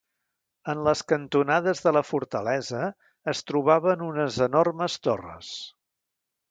En les cantonades de la fortalesa es trobaven unes enormes torres.